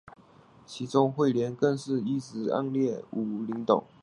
其中彗莲更是一直暗恋武零斗。